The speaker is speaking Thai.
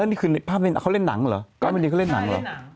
อันนี้คือเขาเล่นน้ำหรอ